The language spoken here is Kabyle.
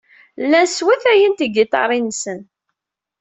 Llan swatayen tigiṭarin-nsen.